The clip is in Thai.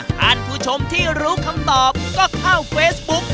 ท่านผู้ชมที่รู้คำตอบก็เข้าเฟซบุ๊ก